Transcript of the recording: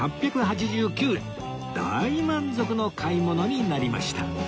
大満足の買い物になりました